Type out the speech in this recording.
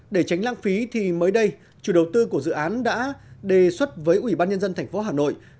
để tránh lãng phí thì mới đây chủ đầu tư của dự án đã đề xuất với ủy ban nhân dân tp hà nội